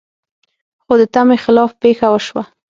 خو د تمې خلاف پېښه وشوه.